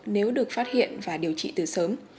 nếu được phát hiện và điều trị từ sớm